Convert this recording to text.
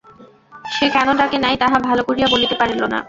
সে কেন ডাকে নাই, তাহা ভাল করিয়া বলিতে পারিল না।